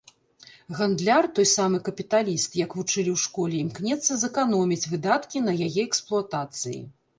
Гандляр, той самы капіталіст, як вучылі ў школе, імкнецца зэканоміць выдаткі на яе эксплуатацыі.